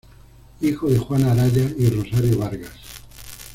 Hijo de Juan Araya y Rosario Vargas.